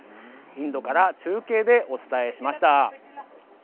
インドから中継でお伝えしました。